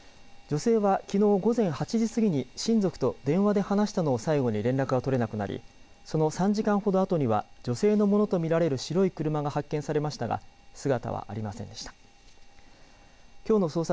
女性はきのう午前８時過ぎに親族と電話で話したのを最後に連絡が取れなくなりその３時間ほど後には女性のものと見られる白い車が発見されましたが姿はありませんでした。